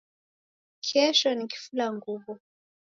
Kesho ni Kifulanguwo